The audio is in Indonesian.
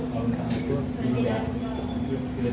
tidak pengecekan sampai kejadian atau bagaimana